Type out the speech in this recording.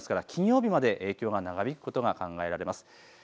金曜日まで影響が長引くことが考えられます。